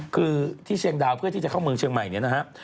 คือที่เชียงดาวเพื่อที่จะเข้าเมืองเชียงใหม่